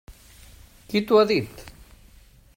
Qui t'ho ha dit?